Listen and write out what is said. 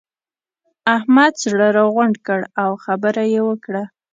احمد زړه راغونډ کړ؛ او خبره يې وکړه.